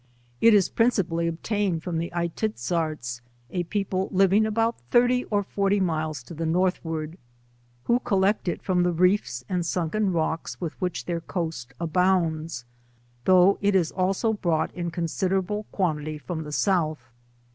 It is prin cipally obtained from the Aitizzarts, a people living about thirty or forty miles to the Northward, who collect it from the reefs and sunken rocks* with which their coast abounds, though it is also brought in considerable quantity from the South.